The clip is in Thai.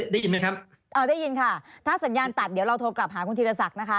ได้ยินไหมครับเอาได้ยินค่ะถ้าสัญญาณตัดเดี๋ยวเราโทรกลับหาคุณธีรศักดิ์นะคะ